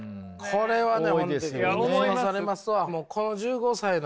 これはね。